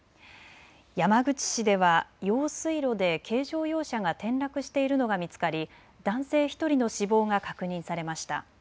山口市では用水路で軽乗用車が転落しているのが見つかり男性１人の死亡が確認されました。